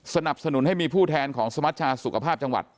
สนับสนุนให้มีผู้แทนของสมัชชาสุขภาพจังหวัด